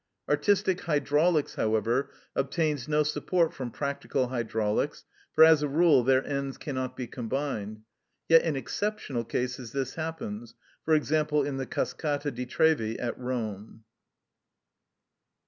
Artistic hydraulics, however, obtains no support from practical hydraulics, for, as a rule, their ends cannot be combined; yet, in exceptional cases, this happens; for example, in the Cascata di Trevi at Rome.